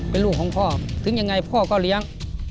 เป็นลูกของพ่อถึงยังไงพ่อก็เลี้ยง